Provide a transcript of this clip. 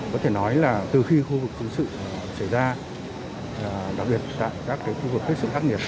có thể nói là từ khi khu vực xung sự xảy ra đặc biệt tại các khu vực rất là khắc nghiệt